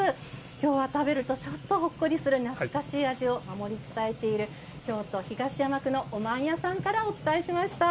今日は食べるとちょっとほっこりする懐かしい味を守り伝えている京都・東山区のおまんやさんからお伝えしました。